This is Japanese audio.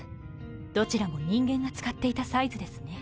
どちらも人間が使っていたサイズですね。